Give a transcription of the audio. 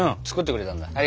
作ってくれたんだ。